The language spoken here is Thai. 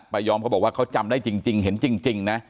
ยอมเขาบอกว่าเขาจำได้จริงเห็นจริงนะ